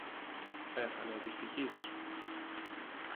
Πέθανε ο δυστυχής;